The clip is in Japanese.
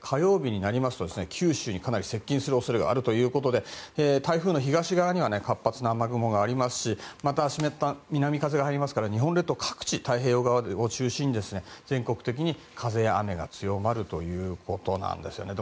火曜日になりますと九州にかなり接近する恐れがあるということで台風の東側には活発な雨雲がありますしまた、湿った南風が入りますので日本列島各地、太平洋側を中心に全国的に風や雨が強まるということなんです。